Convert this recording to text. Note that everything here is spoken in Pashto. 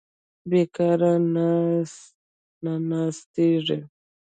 بېکاره نه ناستېږي.